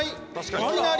いきなり。